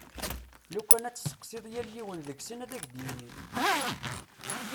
Lukan ad tesseqsiḍ yal yiwen deg-sen ad ak-d-yini.